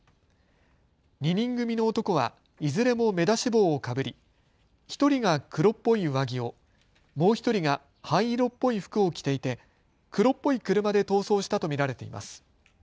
２人組の男はいずれも目出し帽をかぶり１人が黒っぽい上着を、もう１人が灰色っぽい服を着ていて黒い車で逃走したと見られています。